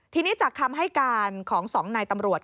ทีนี้จากคำให้การของ๒นายตำรวจ